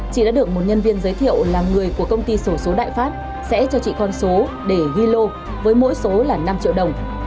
chị đã được một nhân viên giới thiệu là người của công ty sổ số đại pháp sẽ cho chị con số để ghi lô với mỗi số là năm triệu đồng